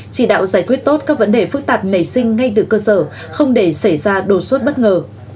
chỉ đạo giải quyết tốt các vấn đề phức tạp nảy sinh ngay từ cơ sở không để xảy ra đột xuất bất ngờ